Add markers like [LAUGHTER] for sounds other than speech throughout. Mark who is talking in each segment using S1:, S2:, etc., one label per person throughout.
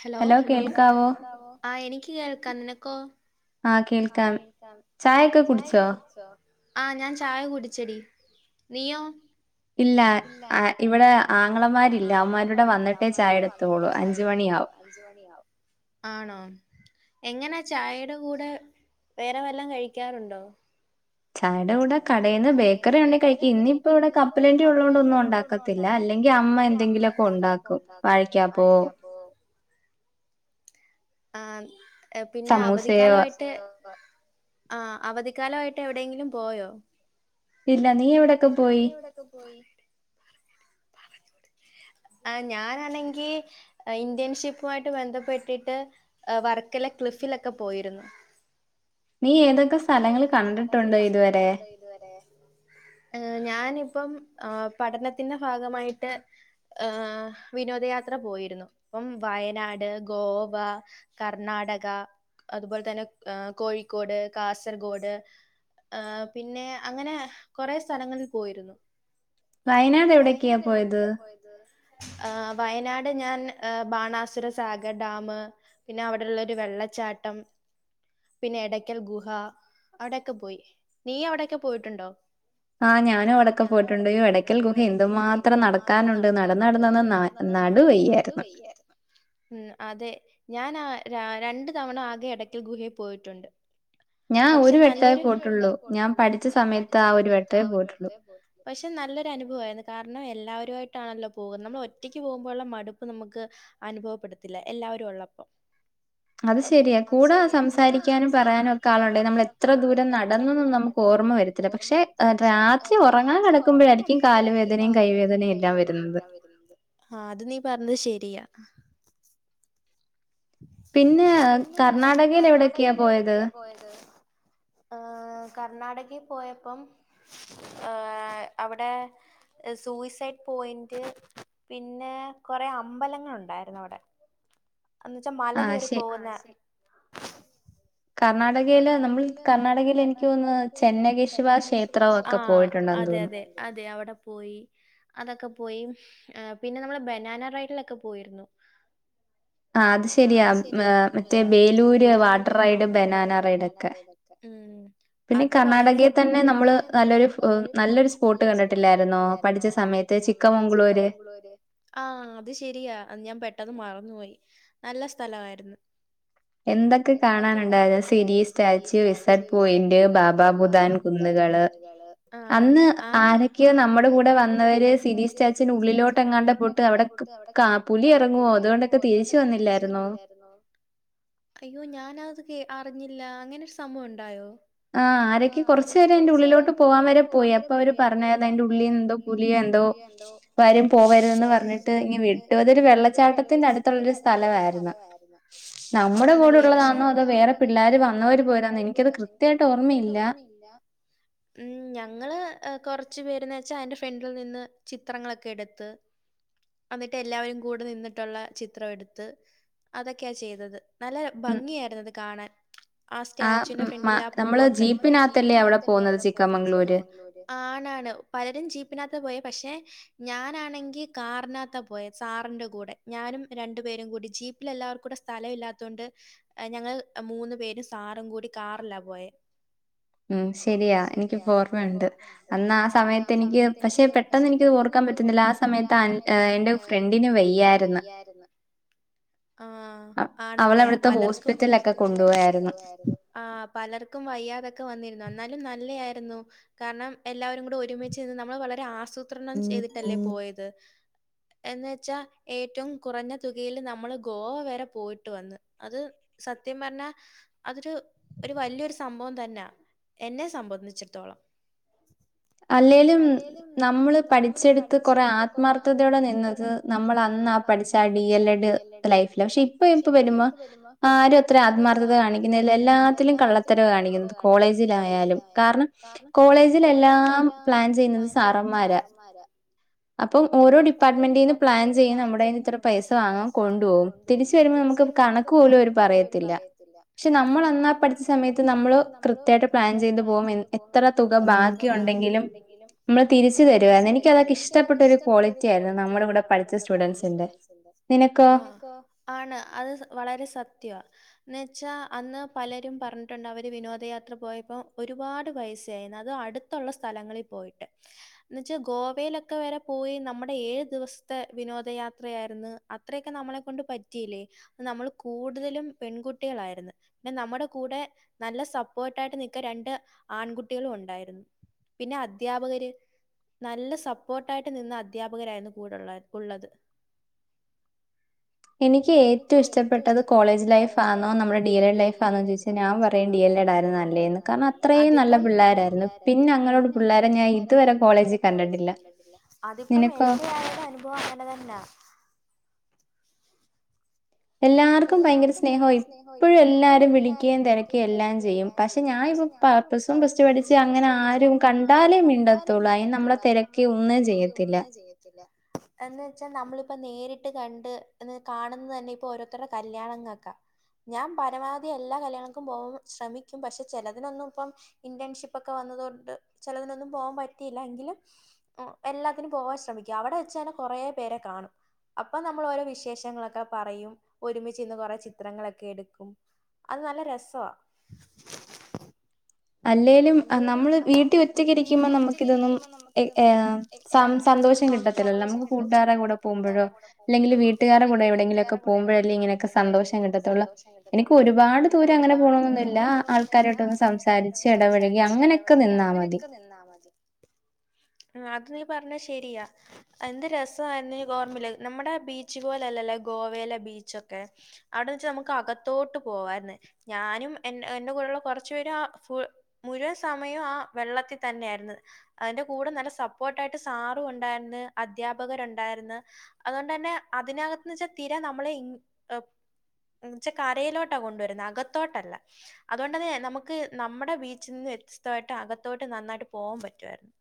S1: Hello hello കേൾക്കാവോ ആ എനിക്ക് കേൾക്കാ നിനക്കോ?
S2: ആഹ് കേൾക്കാം ചായൊക്കെ കുടിച്ചോ?
S1: ആഹ് ഞാൻ ചായ കുടിച്ചെടി നീയോ ഇല്ല ഇവിടെ ആങ്ങളമാരില്ല അവന്മാരുടെ വന്നിട്ടേ ചായെ എടുക്കൂളു അഞ്ച് മണിയാകും ആണോ എങ്ങന ചായേടെ കൂടെ വേറെ വല്ലാം കഴിക്കാറുണ്ടോ?
S2: ചായേടെ കൂടെ കടയിൽന്ന് ബേക്കറി ഉണ്ടെങ്കി കഴിക്കി ഇന്നിപ്പവിടെ കപ്പലണ്ടി ഉള്ളോണ്ടൊന്നും ഉണ്ടാ
S1: ഒന്നും ഉണ്ടാക്കത്തില്ല അല്ലെങ്കിൽ അമ്മ എന്തെങ്കിലൊക്കെ ഉണ്ടാക്കും വാഴക്കാപ്പോ
S2: [INAUDIBLE]
S1: ആഹ് പിന്നെ അവധിക്കാലയിട്ട് ട്ട് ആഹ് അവധിക്കാലായിട്ട് എവിടെയെങ്കിലും പോയോ?
S2: ഇല്ല നീ എവിടെക്കെ പോയി?
S1: എവിടൊക്കെ പോയി
S2: [INAUDIBLE]
S1: ആഹ് ഞാനാണെങ്കി ഇന്റേൺഷിപ്പുമായിട്ട് ബന്ധപ്പെട്ടിട്ട് വർക്കലെ ക്ലിഫിലൊക്കെ പോയിരുന്നു
S2: നീ ഏതൊക്കെ സ്ഥലങ്ങൾ കണ്ടിട്ടുണ്ട് ഇതുവരെ
S1: ഇതുവരെ ഏഹ് ഞാനിപ്പം പഠനത്തിന്റെ ഭാഗമായിട്ട് ഏഹ് വിനോദയാത്ര പോയിരുന്നു അപ്പം വയനാട്, ഗോവ കർണാടക അതുപോലെത്തന്നെ ഏഹ് കോഴിക്കോട്, കാസർഗോഡ് ഏഹ് പിന്നെ അങ്ങനെ കൊറെ സ്ഥലങ്ങളിൽ പോയിരുന്നു
S2: വയനാട് എവിടെയൊക്കെയാ പോയത്?
S1: ആഹ് വയനാട് ഞാൻ ബാണാസുരസാഗർ ഡാമ് പിന്നെ അവിടുള്ളാെരു വെള്ളച്ചാട്ടം പിന്നെ എടയ്ക്കൽ ഗുഹ ഹ അവിടെക്കെ പോയി നീ അവിടെക്കെ പോയിട്ടുണ്ടോ?
S2: ആഹ് ഞാനും അവിടൊക്ക പോയിട്ടുണ്ട് യ്യോ എടയ്ക്കൽ ഗുഹ എന്തു മാത്രം നടക്കാനുണ്ട് നടന്നടന്നന്ന് ന
S1: ന്ന് ന്ന് നടുവയ്യാ ഉം അതെ ഞാൻ ആഹ് രണ്ടു തവണ ആകെ എടയ്ക്കൽ ഗുഹയിൽ പോയിട്ടുണ്ട് പക്ഷെ നല്ലൊരു ഒരു വട്ടെ പോയിട്ടുള്ളൂ ഞാൻ പഠിച്ച സമയത്ത് ആ ഒരു വട്ടെ പോയിട്ടുള്ളൂ പക്ഷെ നല്ലൊരു അനുഭവമായിരുന്നു കാരണം എല്ലാവരായിട്ടാണല്ലോ പോകുന്നത് നമ്മൾ ഒറ്റക്ക് പോകുമ്പോഴുള്ള മടുപ്പ് നമുക്ക് അനുഭവപ്പെടുത്തില്ല എല്ലാവരും ഒള്ളപ്പം
S2: അത് ശരിയാ കൂടെ സംസാരിക്കാനും പറയാനൊ ക്കാളുണ്ടെങ്കിൽ നമ്മൾ എത്ര ദൂരം നടന്നൊന്നും നമുക്ക് ഓർമ്മ വരത്തില്ല പക്ഷേ രാത്രി ഉറങ്ങാൻ കെടക്കുമ്പഴായിരിക്കും കാലുവേദനയും കൈവേദനയും എല്ലാം വരുന്നത്
S1: ആഹ് അത് നീ പറഞ്ഞത് ശെരിയാ
S2: പിന്നെ കർണ്ണാടകയിൽ എവിടെയൊക്കെയാ പോയത്?
S1: പോയത്? ആഹ് കർണാടകി പോയപ്പം ആഹ് അവിടെ സൂയിസൈഡ് പോയിന്റ് പിന്നെ കുറെ അമ്പലങ്ങളുണ്ടായിരുന്നു അവിടെ എന്നിട്ട് മല കേറി പോകുന്നേ കർണാടകയില് നമ്മൾ കർണാടകൽ എനിക്ക് തോന്ന ചെന്നകശുറാ ആഹ് അതതെ അതെ അവിടെ പോയി അതൊക്കെ പോയി പിന്നെ നമ്മള് ബനാന റൈഡിലൊക്കെ പോയിരുന്നു ആഹ് അത് ശരിയാ മറ്റേ ബേലൂര് വാട്ടർ റൈഡ് ബനാന റൈടൊക്കെ അത് വളരെ കർണാടകയിൽ തന്നെ നമ്മള് നല്ലൊരു നല്ലൊരു സ്പോട്ട് കണ്ടിട്ടില്ലായിരുന്നോ പഠി ച്ച സമയത്ത് ചിക്കമംഗളൂര് ആഹ് അത് ശരിയാ ഞാൻ പെട്ടെന്ന് മറന്നുപോയി നല്ല സ്ഥലമായിരുന്നു
S2: എന്തൊക്കെ കാണാനുണ്ടായിരുന്നു സിരി സ്റ്റാചു വിസഡ പോയിന്റ് ബാബാ ബുദാൻ
S1: ബുതാൻ കുന്നുകള് ആഹ് അതെ അന്ന് ആരൊക്കെയോ നമ്മുടെ കൂടെ വന്ന്
S2: പിനി സ്റ്റാച്ചിന് ഉള്ളിലോട്ട് എങ്ങാണ്ട് ആ പോട്ടുവ അവിടെക്കെ പുലി ഇറങ്ങുവോ അതുകൊണ്ടൊക്കെ തിരിച്ചു വന്നില്ലായിരുന്നോ
S1: ആഹ് അയ്യോ ഞാന് അത് അറിഞ്ഞില്ല അങ്ങനെരു സംബവംയുണ്ടായോ
S2: ആഹ് ആരൊക്കെ കൊരറച്ചു പേര് അതിന്റെ ഉള്ളിലോട്ട് പോകാൻ വരെ പോയി അപ്പൊ അവര് പറഞ്ഞത് അയിന്റെ ഉള്ളിൽ എന്തോ പുലിയോ എന്തോ- ആരും പോവരുതെന്ന് പറഞ്ഞിട്ട് ഇഞ്ഞു വീട്ടു അതൊരു വെള്ളച്ചാട്ടത്തിന്റെ അടുത്തുള്ളരുസ്ഥലം - നല്ലതായിരുന്നു നമ്മുടെ കൂടെള്ളതാ അതോ വേറെ പിള്ളേര് വന്നവര് പോയതാണോ എനിക്കത് കൃത്യ-
S1: എനിക്കത് കൃത്യായിട്ട് ഓർമ്മയില്ല ഉം ഞങ്ങള് കൊറച്ചു പേര്ന്ന് വെച്ചാ അന്റെ ഫ്രണ്ടിൽ നിന്ന് ചിത്രങ്ങളൊക്കെ എടുത്ത്, എന്നിട്ട് എല്ലാവരും കൂടെ നിന്നിട്ടുള്ള ചിത്രം എടുത്ത് അതൊക്കെയാ ചെയ്തത് നല്ല ഭംഗിയായിരുന്നു അത് കാണാൻ ആ സ്റ്റാചുന്റെ ഫ്രണ്ടിലെ ആ പൂവൊക്കെ. നമ്മള് ജീപ്പിനകത്തല്ലേ അവിടെ പോകുന്ന ചിക്കമംഗലൂര് ആണ് ആണ് പലരും ജീപ്പിനാത്താ പോയയെ പക്ഷെ- ഞാനാണെങ്കി കാറിനാത്ത പോയെ സാറിന്റെ കൂടെ ഞാനും രണ്ട്- രണ്ടു പേരും കൂടി ജീപ്പിൽ എല്ലാവർക്കൂടെ സ്ഥലമില്ലാത്തോണ്ട് - ഞങ്ങള് മൂന്നു പേരും സാറും കൂടി കാറിലാ പോയെ
S2: ഉം ശരിയാ എനിക്കിപ്പോ ഓർമ്മയുണ്ട് അന്ന് ആ സമയത്തെനിക്ക് പക്ഷെ പെട്ടെന്ന്-
S1: പക്ഷെ പെട്ടെന്ന് എനിക്ക് ഓർക്കാൻ പറ്റുന്നില്ല ആ സമയത്ത് എന്റെ ഫ്രണ്ടിന് വയ്യായിരുന്നു ആ ആണല്ലേ പലർക്കും ഹോസ്പിറ്റൽ ഒക്കെ കൊണ്ടു പോയായിരുന്നു ആ പലർക്കും വയ്യാതൊക്കെ വന്നിരുന്നു എന്നാലും നല്ലയായിരുന്നു കാരണം എല്ലാവരും കൂടെ ഒരുമിച്ച് നിന്ന് നമ്മള് വളരെ ആസൂത്രണം ചെയ്തിട്ടല്ലേ പോയത് എന്ന് വെച്ചാ ഏറ്റവും കുറഞ്ഞ- തുകയില് നമ്മള് ഗോവ വരെ പോയിട്ട് വന്ന് അത് സത്യം പറഞ്ഞ- അതൊരു ഒരു വലിയൊരു സംഭവം തന്നാ എന്നെ സംബന്ധിച്ചിടത്തോളം
S2: അല്ലേലും നമ്മള് പഠിച്ചെടുത്ത് കൊറേ ആത്മാർഥതയോടെ നിന്നത്- നമ്മള് അന്നാ പഠിച്ചാടി - ബിയേല്ലേടട് ലൈഫിലാ പക്ഷെ ഇപ്പ ഇപ്പ വരുമ്പോ ആരും അത്ര ആത്മാർഥത കാണിക്കുന്നില്ല എല്ലാത്തിലും കള്ളത്ത - ത്തരവ കാണിക്കുന്നത് കോളേജിലായാലും കാരണം കോളേജില എല്ലാം -
S1: എല്ലാം പ്ലാൻ ചെയ്യുന്നത് സാറന്മാരാ
S2: അപ്പം ഓരോ ടിപ്പാർട്ട്മെന്റിന് പ്ലാൻ ചെയ്യുന്നത് നമ്മുടെ കയ്യിന്ന് ഇത്ര പൈസ -
S1: ത്ര പൈസ വാങ്ങും കൊണ്ടു പോകും. തിരിച്ചു വരുമ്പ നമുക്ക് കണക്ക് പോലും ഓര് പറയത്തില്ല
S2: പക്ഷെ നമ്മള് അന്നാ പഠിച്ച സമയത്ത് നമ്മള് കൃത്യമായിട്ട് പ്ലാൻ ചെയ്തു പോകും എത്ര തുക ബാക്കി ഉണ്ടെങ്കിലും- നമ്മള് തിരിച്ച് തരുവായിരുന്ന് എനിക്ക് അതൊക്കെ ഇഷ്‌ - ഇഷ്ടപ്പെട്ട ഒരു ക്വാളിറ്റി ആയിരുന്നു നമ്മുടെ കൂടെ പഠിച്ച സ്റ്റുഡൻറ്സിന്റെ നിനക്കോ-
S1: ആണ് അത് വളരെ സത്യമാണ് എന്ന് വെച്ചാ അന്ന് പലരും പറഞ്ഞിട്ടുണ്ട് അവര് വിനോദയാത്ര പോയപ്പോ ഒരുപാട് പൈസായിന്നു അതും അടുത്ത്- അടുത്തുള്ള സ്ഥലങ്ങളിൽ പോയിട്ട് എന്ന് വച്ചാൽ ഗോവയിലൊക്കെ വരെ പോയി നമ്മുടെ ഏഴ് ദിവസത്തെ വിനോദയാത്രയായിരുന്നു - അത്രയൊക്കെ നമ്മളെ കൊണ്ട് പറ്റിയില്ലേ നമ്മള് കൂടുതലും പെൺകുട്ടികളായിരുന്നു പിന്നെ നമ്മടെ കൂടെ നല്ല സപ്പോർട്ടായിട്ട് നിക്കാൻ രണ്ട് ആൺകുട്ടികളും ഒണ്ടായിരുന്നു പിന്നെ അദ്ധ്യാപകര് നല്ല സപ്പോർട്ടായിട്ട് നിന്ന അദ്ധ്യാപകരായിരുന്നു കൂടെയുള്ളത്
S2: എനിക്ക് ഏറ്റവും ഇഷ്ടപ്പെട്ടത് കോളേജ് ലൈഫ് ആണോ നമ്മടെ ഡി എൽ എഡ് ലൈഫ്ണോ ചോദിച്ചാൽ ഞാൻ പറ ഞാൻ പറയും അത്രയും ഡി എൽ എഡ് ആയിരുന്നു നല്ലേന്ന് കാരണം അത്രയും നല്ല പിള്ളോരായിരുന്നു പിന്നെ അങ്ങനെയുള്ള പിള്ളേരെ ഞാൻ ഇതുവരെ കോളേജി
S1: കോളേജിൽ കണ്ടിട്ടില്ല അതിപ്പം എന്റെ ആയാലും അനുഭവം അങ്ങനെ തന്നെയാ
S2: എല്ലാർക്കും ഭയങ്കര സ്നേഹവും ഇപ്പോഴും എല്ലാരും വിളിക്കയും തെരക്കകയും എല്ലാം ചെയ്യും പക്ഷെ ഞാനിപ്പം പർപ്പസും പ്ലസ്റ്റുപഠിച്ച് അങ്ങനെ ആരും കണ്ടാലേ മിണ്ട തൊള്ളൂ അതിന് നമ്മളെ തിര
S1: നമ്മള തെരക്കി ഒന്ന ചെയ്യത്തില്ല എന്ന്‌വെച്ചാൽ നമ്മളിപ്പ നേരിട്ട് കണ്ട് കാണുന്ന തന്നെ ഇപ്പൊ ഓരോ എത്ര കല്യാണംങ്ങൾക്കാ ഞാൻ പരമാവധി എല്ലാ കല്യാണങ്ങൾക്കും പോകു ശ്രമിക്കും പക്ഷെ ചെലതിനൊന്നും ഇപ്പം ഇന്റേൺഷിപ്പ് ഒക്കെ വന്നതൊണ്ട് ചെലതിനൊന്നും പോവാൻ പറ്റിയില്ല എങ്കിലും എല്ലാത്തിനും പോകൻ ശ്രമിക്കും അവിടെ വെച്ചന്നെ കൊറെ പേരെ കാണും. അപ്പൊ നമ്മള് ഓരോ വിശേഷങ്ങളൊക്കെ പറയും ഒരുമിച്ചിര്ന്ന് കൊറെ ചിത്രങ്ങളൊക്കെ എടുക്കും അത് നല്ല രസാ
S2: അല്ലേലും നമ്മള് വീട്ടിൽ ഒറ്റക്കിഇരിക്കുമ്പോൾ നമുക്ക് ഇതൊന്നും ഏഹ് സ സന്തോഷം കിട്ടത്തില്ലോ നമുക്ക് കൂട്ടുകാരടെ കൂടെ പോകുമ്പോഴോ അല്ലെങ്കിൽ വീട്ടുകാരടെ കൂടെ എവിടെെങ്കിലും ഒക്കെ പോകുമ്പോഴ ഇങ്ങനെയൊക്കെ സന്തോഷം കിട്ടത്തുള്ളൂ എനിക്ക് ഒരുപാട് ദൂരം അങ്ങനെ പോകണൊന്നുമ ഇല്ല ആൾക്കാരോട്ടൊന്ന് സംസാരി ചെടപഴകി അങ്ങനെയൊക്കെ നിന്നാൽ മതി
S1: നിന്നാമതി ആ അത് നീ പറഞ്ഞ ശെരിയാ എന്തേരസയിരുന്നു ഓർമ്മി ല് നമ്മടെ ബീച്ച് പോലെല്ലല്ലേ ഗോവയിലെ ബീച്ചൊക്കെ അവിടെന്ന്ച്ച നമുക്ക് അകത്തോട്ട് പോവാരുന്നു ഞാനും എ എന്റെ കൂടെുള്ള കൊറച്ചു പേര് ആ ഫു മുഴുവൻ സമയവും ആ വെള്ളത്തിൽ തന്നെയ ആയിരുന്നു അയിന്റെ കൂടെ നല്ല സപ്പോർട്ട് ആയിട്ട് സാറും ഉണ്ടായിന്ന് അധ്യാപകരുണ്ടായിരുന്നു അതുകൊണ്ട് തന്നെ അതിനകത്ത്ന്ന് വെച്ചാൽ തീരെ നമ്മളെ ഇങ്ങ എന്നച്ചാ കരയിലോട്ടാ കൊണ്ടുവരുന്നത് അകത്തോട്ടല്ല. അതുകൊണ്ടന്നെ നമുക്ക് നമ്മുടെ ബീച്ചിൽ നിന്ന് വ്യത്യസ്തമായിട്ട് അകത്തോട്ട് നന്നായിട്ട് പോകാൻ പറ്റുവായിരുന്നു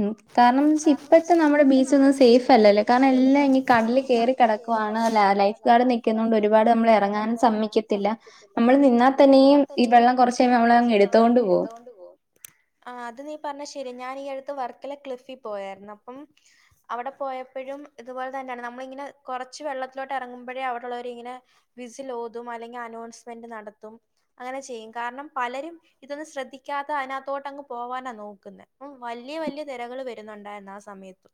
S2: ഉം കാരണം ഇപ്പഴത്തെ ഇപ്പത്തെ നമ്മുടെ ബീച്ച ഒന്നും സേഫ് അല്ലലോ കാരണം എല്ലാം ഇ കടല് കയറി കെടക്കുവാണ്ല്ല ലൈഫ് ഗാർഡ് നിക്കുന്ന കൊണ്ട് ഒരുപാട് നമ്മൾ ഇറങ്ങാനും സമൈക്കത്തില്ല നമ്മള് നിന്നാൽ തന്നെയും
S1: തന്നെയും ഈ വെള്ളം കൊറച്ച നമ്മള്ങ് എടുത്തോണ്ട് പോകും ആ അത് നീ പറഞ്ഞ ശെരി ഞാൻഈ അടുത്ത് വർക്കല ക്ലിഫിൽ പോയായിരുന്നു അപ്പം അവിടെ പോയപ്പോഴും ഇതുപോലെ തന്നെയാണ് നമ്മളിങ്ങനെ കൊറച്ച് വെള്ളത്തിലോട്ട് ഇറങ്ങുമ്പോഴേ അവിടുള്ളവരി ഇങ്ങനെ വിസിൽ ഊതും അല്ലെങ്കിൽ അനൗൺസ്മെന്റ് നടത്തും അങ്ങനെ ചെയ്യും കാരണം പലരും ഇതൊന്നും ശ്രദ്ധിക്കാത്ത അതിനകത്തോട്ട് അങ്ങ് പോവാനാ നോക്കുന്നെ ഉം വലിയ വലിയ തെരകൾ വരുന്നുണ്ടായിരുന്നു ആ സമയത്ത്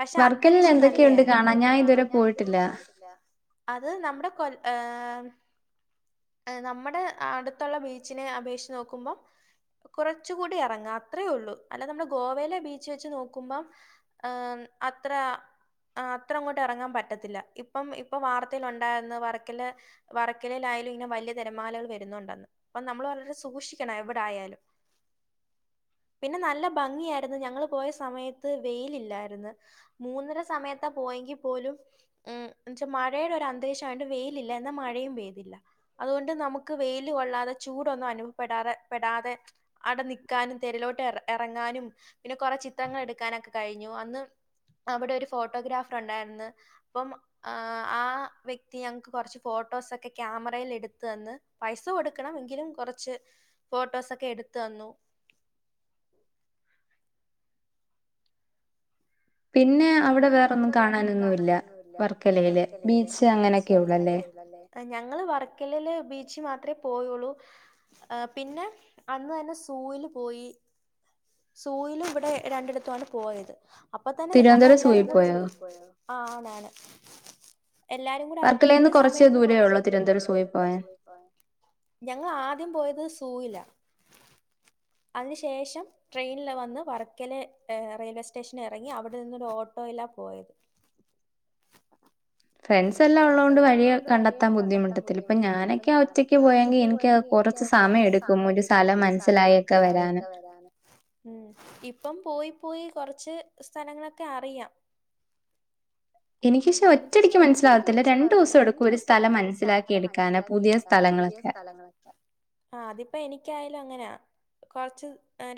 S1: പക്ഷെ അന്തരീക്ഷം നല്ലതായിതൊക്കെയുണ്ട് കാണാം ഞാൻ ഇതുവരെ പോയിട്ടില്ല അത് നമ്മുടെ കൊ ഏഹ് നമ്മടെ അടുത്തുള്ള ബീച്ചിനെ അപേക്ഷച്ച് നോക്കുമ്പോം കൊറച്ച കൂടി എറങ്ങ അത്രേള്ളൂ അല്ലതെനമ്മു. ടെ ഗോവയിലെ ബീച്ച് വെച്ച് നോക്കുമ്പം ഹേമ്മ് അത്ര ആ അത്ര അങ്ങോട്ടും എറങ്ങാൻ പറ്റത്തില്ല ഇപ്പം ഇപ്പൊ വാർത്തേൽ ഉണ്ടായിന്നു വർക്കല വറക്കലലായാലും ഇങ്ങനെ വലിയ തിരമാലകൾ വരുന്നുണ്ടെന്ന് അപ്പൊ നമ്മള് വളരെ സൂക്ഷിക്കണം എവിടെ ആയാലും പിന്നെ നല്ല ഭംഗിയായിരുന്നു ഞങ്ങള്ൾ പോയ സമയത്ത് വെയിലില്ലായിരുന്നു. മൂന്നര സമയത്താ പോയെങ്കിൽ പോലും ഉം എന്നച്ചാ മഴയുടെ ഒരു അന്തരശമായിട്ട് വെ്യിലില്ല എന്നാൽ മഴയും പെയ്തില്ല അതുകൊണ്ട് നമുക്ക് വെയില് കൊള്ളാതെ ചൂടൊന്നും അനുഭവപ്പെടാറെ പെടാതെ ആടെ നിക്കാനും തെരെലോട്ട് ഇറങ്ങാനും പിന്നെ കൊറെ ചിത്രങ്ങൾ എടുക്കാനൊക്കെ കഴിഞ്ഞു അന്ന് അവിടെ ഒരു ഫോട്ടോഗ്രാഫർ ഉണ്ടായിരുന്ന് അപ്പം ആഹ് ആ വ്യക്തി ഞങ്ങക്ക് കൊറച്ച് ഫോട്ടോസ് ഒക്കെ ക്യാമറയിൽ എടുത്ത്തന്ന് പൈസ കൊടുക്കണംഎങ്കിലും കൊറച്ച് ഫോട്ടോസൊക്കെ എടുത്ത്തന്നു
S2: പിന്നെ അവിടെ വേറൊന്നും കാണാനൊന്നുല്ല വർക്കലയില് ബീച്ച് അങ്ങനെയൊക്കെയുള്ളൂ അല്ലേ
S1: ഏഹ് ഞങ്ങള് വർക്കലെല് ബീച്ചി മാത്രേ പോയൊള്ളു ആഹ് പിന്നെ അന്ന് തന്നെ സൂവില് പോയി സൂയിലും ഇവിടെ രണ്ടടത്തുവാണ് പോയത് അപ്പ തന്നെ നമ്മളെല്ലരും കൂടെ [UNINTELLIGIBLE] ആഹ് ആഹ് നാളെ എല്ലാരും കൂടെ ആയപ്പോഴത്തേനും സമയം പോവും അവിടുന്ന് കുറച് ദൂരോള്ളോ തിരുവനന്തപുരം സ്കൂളി പോവാൻ ഞങ്ങൾ ആദ്യം പോയത് സൂയില അതിന്ശേഷം ട്രെയിനിൽ വന്ന് വർക്കല റെയിൽവേ സ്റ്റേഷനി എറങ്ങി അവി [UNINTELLIGIBLE] ഫ്രണ്ട്സ് എല്ലാം ഉള്ള കൊണ്ട് വഴിയൊക്കെ കണ്ടെത്താൻ ബുദ്ധിമുട്ടത്തില്ല ഇപ്പൊ ഞാനൊക്കെ ഒറ്റക്ക് പോയെങ്കിൽ എനിക്ക് കൊറച്ച് സമയം എടുക്കും ഒരു സ്ഥലം മനസ്സിലായി ഒക്കെ വരാന് ഉം ഇപ്പം പോയി പോയി കൊറച്ച് സ്ഥലങ്ങളൊക്കെ അറിയാം എനിക്ക് പക്ഷേ ഒറ്റടിക്ക് മനസ്സിലാവത്തില്ല രണ്ടു ദിവസം എടുക്കും ഒരു സ്ഥലം മനസ്സിലാക്കി എടുക്കാന് പുതിയ സ്ഥലങ്ങളൊക്കെ ആഹ് അതിപ്പോ എനിക്കായാലും അങ്ങനാ കൊറച്ച്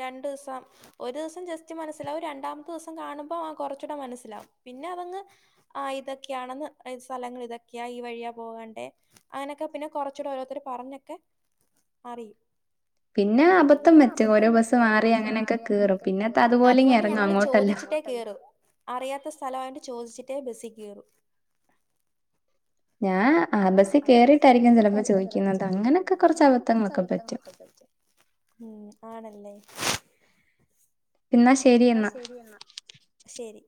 S1: രണ്ടുസം ഒരുദിസം ജസ്റ്റ് മനസ്സിലാവും രണ്ടാമത്തെ ദിവസം കാണുമ്പോ ആഹ് കൊറച്ചൂടെ മനസ്സിലാവും പിന്നെ അതങ്ങ് ആഹ് ഇതൊക്കെയാണെന്ന് സ്ഥലങ്ങൾ ഇതൊക്കെയാ ഈ വഴിയാ പോകണ്ടേ അങ്ങനൊക്കെ പിന്നെ കൊറച്ചൂടെ ഓരോരുത്തര് പറഞ്ഞൊക്കെ അറിയും പിന്നെ അബദ്ധം പറ്റും ഓരോ ബസ്സ് മാറി അങ്ങനെയൊക്കെ കേറും അതുകൊണ്ട് ഞങ്ങള് ചോദിച്ചിട്ടേ കേറു അറിയാത്ത സ്ഥലവായോണ്ട് ചോദിച്ചിട്ടേ ബസി കേറു ഞാൻ ആ ബസി കേറിയിട്ടാരിക്കും ചെലപ്പോ ചോദിക്കുന്നത് അങ്ങനെയൊക്കെ കുറച്ച് അബദ്ധങ്ങളൊക്കെ പറ്റും ഉം ആണല്ലേ എന്നാ ശരിയെന്നാ ശരി